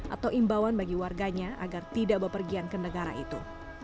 atau imbauan bagi warganya agar tidak berpergian ke negara itu